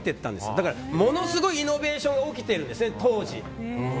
だから、ものすごいイノベーションが起きているんです。